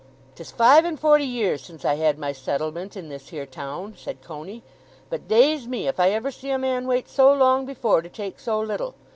"'Tis five and forty years since I had my settlement in this here town," said Coney; "but daze me if I ever see a man wait so long before to take so little!